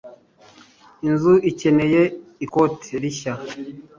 Inzu ikeneye ikote rishya.